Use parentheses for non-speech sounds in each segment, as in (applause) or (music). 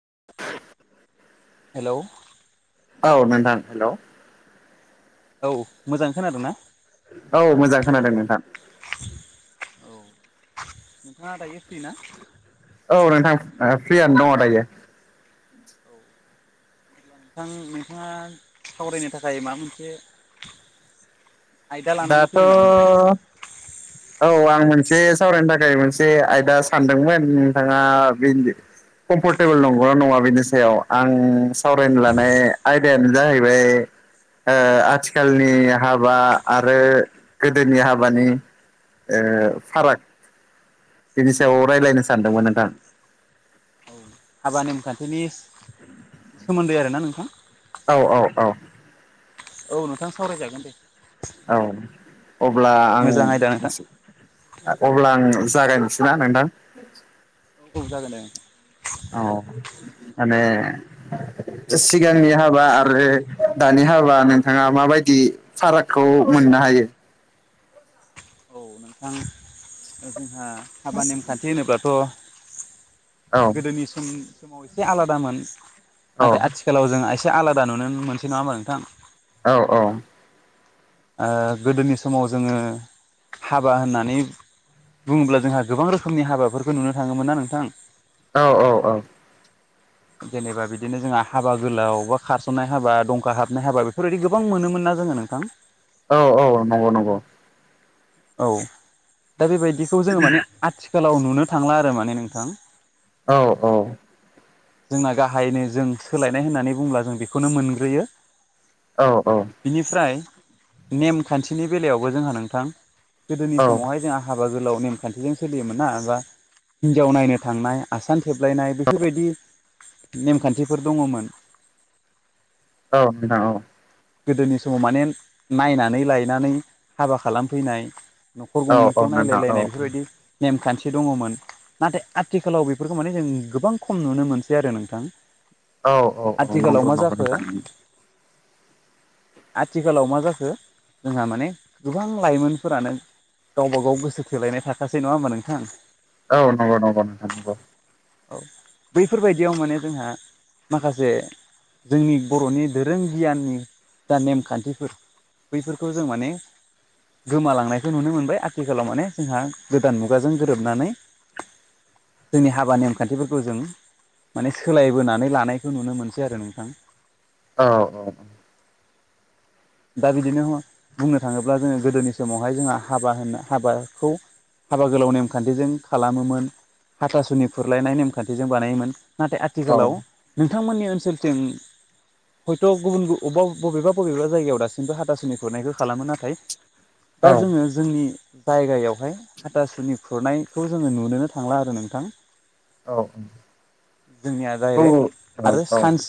(inaudible) हेल'। औ नोंथां। हेल' औ मोजाङै खोनादों ना? औ मोजाङै खोनादों नोंथां। नोंथां दायो फ्रिना? औ नोंथां। फ्रियनो दङ दायो। औ अब्ला नोंथां नोंथाङा सावरायनो थाखाय माबा मोनसे आयदा लानानै दाथ' फैदों नामा नोंथां? औ आं मोनसे सावरायनो थाखाय मोनसे आयदा सानदोंमोन। नोंथाङा बे कम्फर्टेबोल नंगौना नङा बिनि सायाव आं सावरायनो लानाय आयदायानो जाहैबाय। ओ आथिखालनि हाबा आरो गोदोनि हाबानि ओ फाराग। बिनि सायाव औ रायज्लायनो सानदोंमोन नोंथां। औ हाबा नेमखान्थिनि सोमोन्दै आरोना नोंथां? औ औ औ औ नोंथां सावराय जागोन दे। औ अब्ला आं मोजां आयदा नोंथां। अब्ला आं जागायनोसैना नोंथां? औ औ जागोन दे। औ माने सिगांनि हाबा आरो दानि हाबा। नोंथाङा माबायदि फारागखौ मोननो हायो? औ नोंथां जोंहा हाबा नेमखान्थि होनोब्लाथ'। औ गोदोनि समनि समाव एसे आलादामोन औ नाथाय आथिखालाव जों ए से आलादा नुनो मोनसै नङाहोनबा नोंथां? औ-औ ओ गोदोनि समाव जोङो हाबा होननानै बुङोब्ला जोंहा गोबां रोखोमनि हाबाफोरखौ नुनो थाङोमोन। ना नोंथां? औ-औ-औ (inaudible) जेनेबा बिदिनो जोंहा हाबा गोलाव, बा खारस'नाय हाबा, दंखा हाबनाय हाबा बेफोरबायदि गोबां मोनोमोन ना जों ङो नोंथां औ-औ नंगौ-नंगौ। औ दा बेबायदिखौ जोङो माने आथि खालाव नुनो थांला आरो माने नोंथां। औ-औ जोंना गाहायैनो जों सोलायनाय होननानै बुंब्ला जों बेखौनो मोनग्रोयो। औ बिनिफ्राय नेमखान्थिनि बेलायावबो जोंहा नोंथां गोदोनि औ समावहाय जोंहा हाब बा गोलाव नेम खान्थिजों सोलियोमोन ना एबा हिन्जाव नायनो थांनाय आसान खेबलायनाय बेफोरबायदि नेमखान्थिफोर दङमोन। औ नोंथां औ। गोदोनि समाव माने नायनानै लायनानै हाबा खालामफैनाय न'खर औ औ गंनैखौ नोंथां औ नायलायलायनाय बेफोरबायदि नेमखान्थि दङमोन नाथाय आथिखालाव बेफोरखौ माने जों गोबां खम नुनो मोनसै आरो नोंथां। औ-औ-औ आथिखालाव मा नंगौ-नंगौ जाखो नोंथां आथिखालाव मा जाखो जोंहा माने गोबां लाइमोनफोरानो गावबा गाव गोसो थोलायनाय थाखासै नङा होमबा नोंथां। औ नंगौ-नंगौ नोंथां नंगौ। औ बैफोरबायदियाव माने जोंहा माखासे जोंनि बर'नि धोरों गियाननि जा नेमखान्थिफोर बैफोरखौ जों माने गोमालांनायखौ नुनो मोनबाय आथिखालाव माने जोंहा गोदान मुगाजों गोरोबनानै जोंनि हाबा नेमखान्थिफोरखौ जों माने सोलायबोनानै लानायखौ नुनो मोनसै आरो नोंथां। औ-औ दा बिदिनो बुंनो थाङोब्ला जोङो गोदोनि समावहाय जोंहा हाबा होनो हाबाखौ हाबा गोलाव नेमखान्थिजों खालामोमोन हाथासुनि खुरलायनाय नेमखान्थिजों बानायोमोन। नाथाय औ आथिखालाव नोंथांमोननि ओनसोलथिं हयथ' गुबुन गु अब्बा बबेबा-बबेबा जायगायाव दासिमबो हाथासुनि खुरनायखौ खालामो नाथाय दा जोङो जोंनि जायगायावहाय हाथासुनि खुरनायखौ जोङो नुनोनो थांला आरो नोंथां। औ जोंनिया डाइरेक्ट आरो सान्स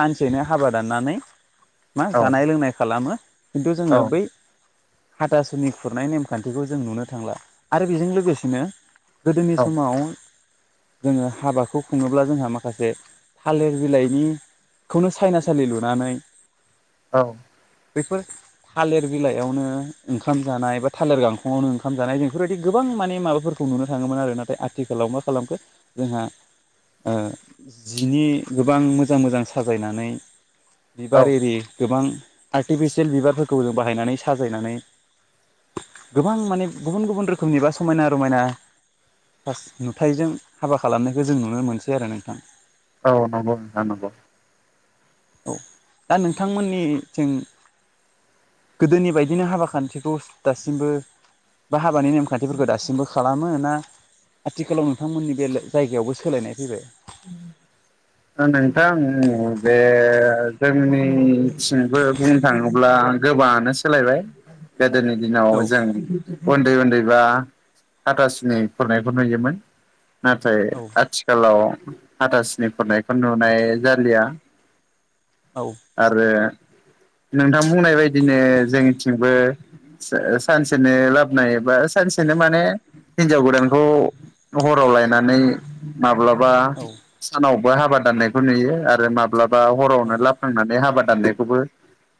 सानसेनो हाबा दाननानै मा जानाय लोंनाय खालामो। खिन्थु जोङो बै हाथासुनि खुरनाय नेमखान्थिखौ जों नुनो थांला आरो बेजों लोगोसेनो । गोदोनि औ समाव जोङो हाबाखौ खुङोब्ला जोंहा माखासे थालिर बिलाइनि खौनो सायनासालि लुनानै औ बेफोर थालिर बिलाइयावनो ओंखाम जानाय बा थालिर गांखंआवनो ओंखाम जानाय जों बेफोरबायदि गोबां माने माबाफोर खौ नुनो थाङोमोन आरो नाथाय आथिखालाव मा खालामखो जोंहा ओ जिनि गोबां मोजां मोजां साजायनानै । बिबार एरि गोबां आर्टिफिसियेल बिबारफोरखौ जों बाहायनानै साजायनानै। गोबां माने गुबुन गुबुन रोखोमनि बा समायना रमायना । फार्स्ट नुथायजों हाबा खालामनायखौ जों नुनो मोनसै आरो नोंथां। औ नंगौ नोंथां नंगौ। औ दा नोंथांमोननि थिं गोदोनि बायदिनो हाबा खान्थिखौ दासिमबो बा हाबानि नेम खान्थिफोरखौ दासिमबो खालामो ना आथिखालाव नोंथांमोननि बेला जायगायावबो सोलायनाय फैबाय । ओ नोंथां उम बे जोंनि जोनिथिंबो बुंनो थाङोब्ला गोबाङानो सोलायबाय। गोदोनि दिनाव औ जों उन्दै उन्दैबा हाथासिनि खुरनायखौ नुयोमोन। नाथाय औ आथिखालाव हाथासनि खुरनायखौ नुनाय जालिया। औ आरो नोंथां बुंनाय बायदिनो जोंनिथिंबो सा- सानसेनो लाबोनाय एबा सानसेनो माने हिनजाव गोदानखौ हराव लायनानै माब्लाबा औ सानावबो हाबा दाननायखौ नुयो आरो माब्लाबा औ हरावनो लाब खांनानै हाबा दान्नायखौबो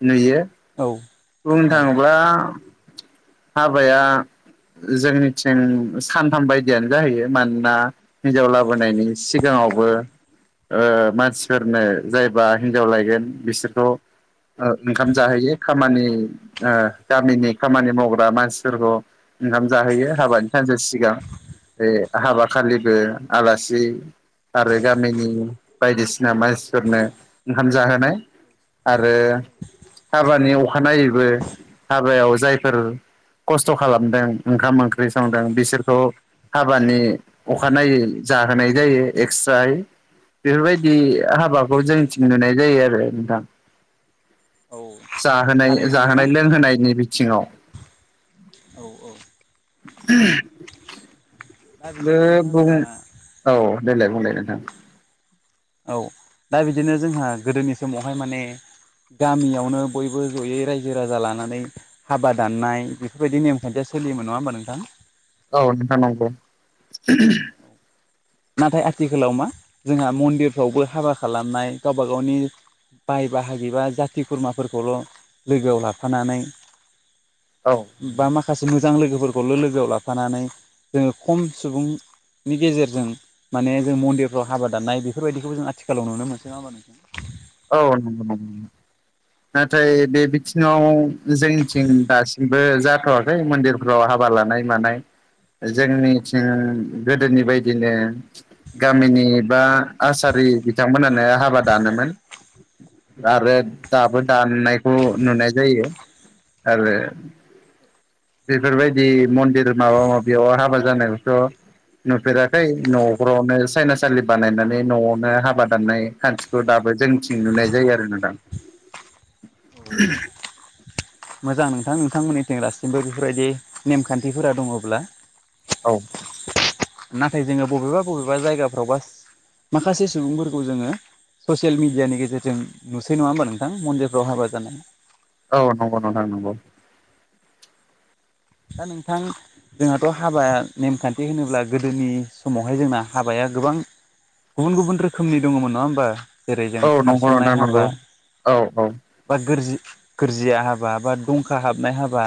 नुयो बुंनो औ थाङोब्ला हाबाया जोंनिथिं सानथाम बायदियानो जाहैयो मानोना हिन्जाव औ लाबोनायनि सिगाङावबो ओ मानसिफोरनो जायबा हिनजाव लायगोन बिसोरखौ ओ ओंखाम जाहैयो खामानि ओ गामिनि खामानि माव बा मानसिफोरखौ ओंखाम जाहोयो हाबानि सानसे सिगां बे हाबा खालिबो आलासि आरो गामिनि बायदिसिना दा मानसिफोरनो ओंखाम जाहोनाय। आरो हाबानि अखानायैबो हाबायाव जायफोर खस्थ' खालामदों ओंखाम ओंख्रि संदों बिसोरखौ हाबानि अखानायै जाहोनाय जायो एक्सट्रायै बेफोरबायदि दि हाबाखौ जोंथिं नुनाय जायो आरो नोंथां। जाहोनाय थारैनो जाहोनाय नोंथां लोंहोनायनि बिथिङाव । औ औ दा बे बिदिनो नोंथां बुं जोंहा औ देलाय बुंलाय नोंथां । औ दा बिदिनो जोंहा गोदोनि समावहाय माने गामियावनो बयबो जयै रायजो राजा लानानै हाबा दाननाय बेफोरबायदि नेमखान्थिया सोलियोमोन नङा होमबा नोंथां? औ नोंथां नंगौ ओहम । (inaudible) नाथाय आथिखालाव मा जोंहा मन्दिरफ्रावबो हाबा खालामनाय गावबा गावनि बाय बाहाग बिबा जाथि खुरमाफोरखौल' लोगोआव लाफानानै औ बा माखासे मोजां लोगोफोरखौल लोगोआव लाफानानै जोङो खम सुबुं नि गेजेरजों माने जों मन्दिरफ्राव हाबा दाननाय बेफोरबायदिखौ जों आथिखालाव नुनो मोनसै नाबा नों औ नंगौ नाथाय बे बिथिङाव जोंनिथिं दासिमबो जाथ'वाखै मन्दिरफ्राव हाब हाबा लानाय मानाय जोंनिथिं गोदोनि बायदिनो गामिनि बा आसार बि बिथांमोनानो हाबा दानोमोन आरो दाबो दाननायखौ नुनाय जायो आरो बेफोरबायदि मन्दिर माबा माबियाव हाबा जानायावथ' नुफेराखै न'रावनो सायनासाालि बानायनानै न'आवनो हाबा दाननाय खान्थिखौ दाबो जों थिं नुनाय जायो आरो नादा उम मोजां नोंथां नोंथांमोननिथिं दासिमबो बेफोरबायदि नेमखान्थिफोरा दङब्ला औ नाथाय जोङो बबेबा बबेबा जायगाफ्राव बास माखासे सुबुंफोरखौ जोङो ससियेल मिडियानि गेजेरजों नुसै नङा होनोमबा नोंथां मनन्दिरफ्राव हाबा जानाय औ नंगौ नंथां नंगौ दा नोंथां जोंहाथ' हाबाया नेमखान्थि होनोब्ला गोदोनि समावहाय जोंना हाबाया गोबां गुबुन गुबुन रोखोमनि दङमोन नङा होमबा जेरै जों औ नंगौ खारसननाय नोंथां नंगौ हाबा औ औ बा गोरजि गोरजिया हाबा बा दंखा हाबनाय हाबा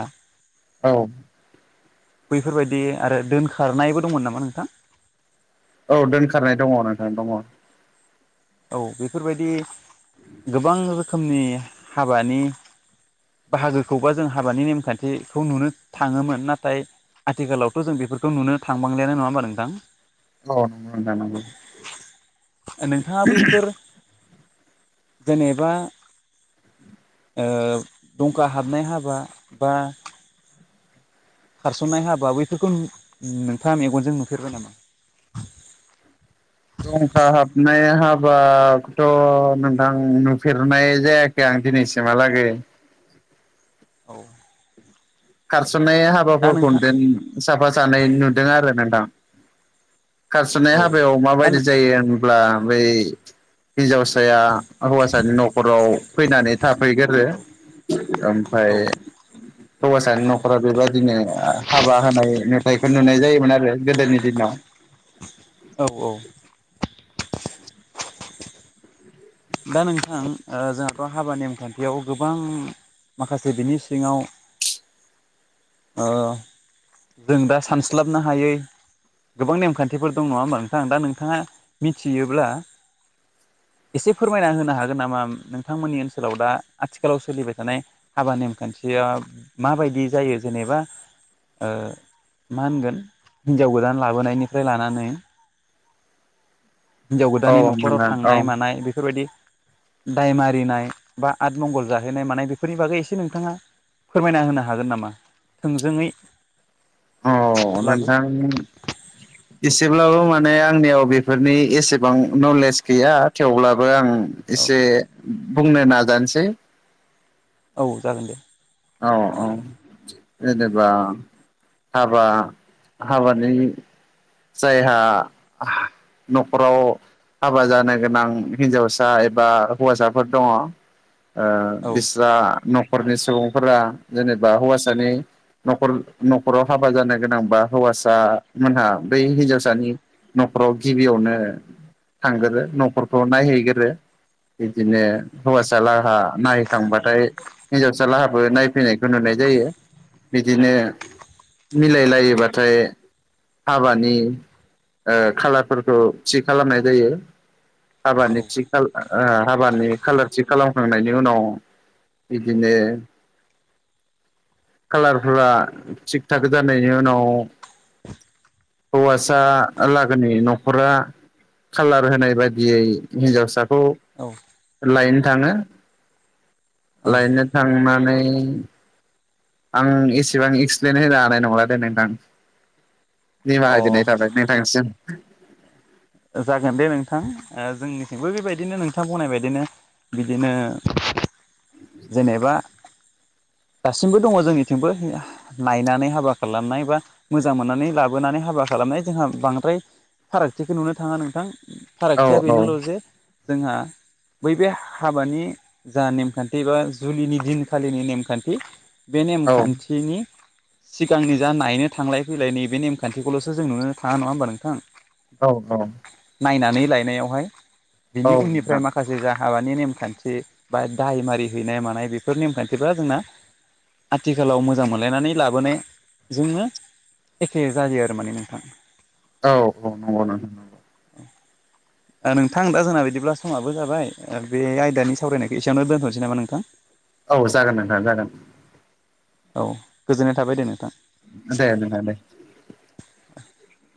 औ बैफोरबायदि आरो दोनखारनायबो दंमोन नामा नोंथां औ दोनखारनाय दङ नोंथांनो दङ औ बेफोरबायदि गोबां रोखोमनि हाबानि बाहागोखौबा जों हाबानि नेमखान्थिखौ नुनो थाङोमोन नाथाय आथिखालावथ जों बेफोरखौ नुनो थांबांलानो नङा होमा नोंथां औ न द नांग नोंथाङा बैफोर जेनेबा दंखा हाबनाय हाबा बा खारसननाय हाबा बैफोरखौ नोंथाङा मेगनजों नुफेरबाय नामा (unintelligible) दंखा हाबनाय हाबथ नोंथां नुफेरनाय जायाखै आं दिनैसिमहालागै औ थारसननाय दा हाबाफोरखौ नोंथां साफा सानै नुदों आरो नोंथां खारस'नाय औ हाबायाव दा माबायदि नों जायो होनब्ला बै हिन्जावसाया हौवासानि नखराव फैनानै थाफैगोरो औ ओमफ्राय औ हौवाासानि नखराव बेबायादिनो हाबा होनाय मेथाइफोर नुनाय जायोमोन आरो गोदोनि दिनाव औ औ दा नोंथां जोंहाथ हाबा नेमखान्थियाव गोबां माखासे बिनि सिङाव जों दा सानस्लाबनो हायै गोबां नेमखान्थिफोर दं नङा होमबा नोंथां दा नोंथाङा मिथियोब्ला एसे फोरमायना होनो हागोन नामा नोंथांमोननि ओनसोलाव दा आथिखालाव सोलिबाय थानाय हाबा नेमखान्थि माबायदि जायो जेनेबा ओ मा होनगोन हिन्जाव गोदान लाबोनायनिफ्राय लानानै हिनजाव औ गोदाननि न'खराव नोंथां औ थांनाय मानाय बे दि दाय मारिनाय बा आदमंगल जाहैनाय मानाय बेफोरनि बागै एसे नोंथाङा फोरमायना होनो हागोन नामा थोंजोङै? औ नोंथां एसेब्लाबो माने आंनियाव बेफोरनि एसेबां नलेज गैया थेवब्लाब बो आं औ एसे बुंनो नाजानोसै औ जागोन दे। औ औ जेनेबा हाबा हाबानि जायहा हा न'खराव हाबा जानो गोनां हिन्जावसा एबा हौवासाफोर दङ। ओ औ बिस्रा न'खरनि सुबुंफोरा जेनेबा हौवासानि नख न'खराव हाबा जानो गोनांबा हौवासा मोनहा बै हिन्जावसानि नख खराव गिबियावनो थांगोरो न'खरखौ नायहैगोरो। बिदिनो हौवासालाहा नायहैखांबाथाय हिनजावसाला हाब बो नायफैनायखौ नुनाय जायो बिदिनो मिलायलायोबाथाय हाबानि ओ खालारफोरखौ थि खालामनाय जायो। हाबानि थि खालार ओ हाबानि खालार थि खालामखांनायनि उनाव बिदिनो कालारफोरा थिग थाक जानायनि उनाव हौवासा लागोनि न'खरा खाालार होनाय बायदियै हिन्जावसा खौ औ लायनो थाङो औ लायनो थांना नै आं एसेबां एक्सप्लयेन होनो हानाय नंला दै नोंथां। निमाहा अ बिनाय थाबाय नोंथांनिसिम। जागोन दे नोंथां ओ जोंनिथिंबो बेबायदिनो नोंथां बुंनायबायदिनो। बिदिनो जेनेबा दासिमबो दङ जोंनिथिंबो नायनानै हाबा खालामनाय बा मोजां मोननानै लाबोनानै हाबा खालाम खालामनाय जोंहा बांद्राय फारागथिखौ नुनो थाङा नोंथां। औ फारागथिया औ बेनोल' जे जोंहा बै बे हाबानि जा नेमखान्थ थिबा जुलिनि दिनखालिनि नेमखान्थि बे औ नेमखान्थिनि सिगांनि जा नायनो थांलाय फैलाय नैबे नेमखान्थिखौल'सो जों नुनो थाङा नङा होमबा नोंथां? औ औ। नायनानै लायनायावहाय औ बिनि उननिफ्राय नोंथां माखासे जा हाबानि नेमखान्थि बा दायमारि हैनाय मानाय बेफोर नेमखान्थिफ्रा जोंना आथिखालाव मोजां मोनलायनानै लाबोनायजोंनो एखे जायो आरो माने नोंथां। औ औ नंगौ नोंथां नंगौ। (inaudible) ओ नोंथां दा जोंना बिदिब्ला समाबो जाबाय बे आयदानि सावरायनायखौ एसेयावनो दोनथ'नोसै नामा नों थां। औ जागोन नोंथां जागोन। औ गोजोननाय थाबाय दे नोंथां। दे नोंथां दे। (inaudible)